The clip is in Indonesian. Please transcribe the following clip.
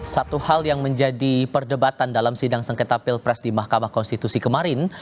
satu hal yang menjadi perdebatan dalam sidang sengketa pilpres di mahkamah konstitusi kemarin